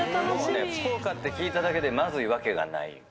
もうね福岡って聞いただけでまずいわけがない。